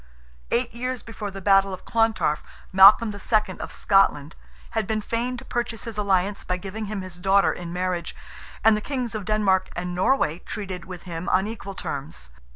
Eight years before the battle of Clontarf, Malcolm II., of Scotland, had been feign to purchase his alliance, by giving him his daughter in marriage, and the Kings of Denmark and Norway treated with him on equal terms.